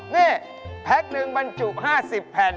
นี่แพ็คหนึ่งบรรจุ๕๐แผ่น